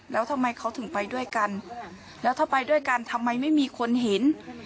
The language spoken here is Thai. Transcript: แล้วทำไมเขาถึงไปด้วยกันแล้วถ้าไปด้วยกันทำไมไม่มีคนเห็น